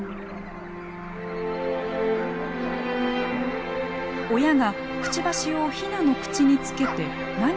親がくちばしをヒナの口につけて何かを与えています。